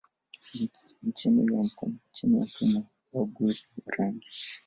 chini ya mfumo wa ubaguzi wa rangi